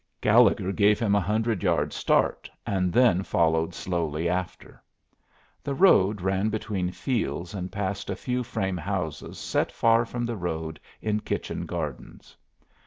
Gallegher gave him a hundred yards' start, and then followed slowly after. The road ran between fields and past a few frame houses set far from the road in kitchen gardens.